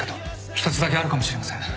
一つだけあるかもしれません